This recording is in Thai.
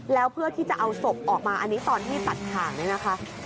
แล้วเพื่อที่จะเอาศพออกมาอันนี้ตอนที่ตัดถ่างเนี่ยนะคะ